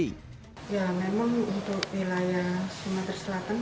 ya memang untuk wilayah sumatera selatan